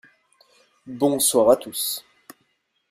Bonsoir à tous.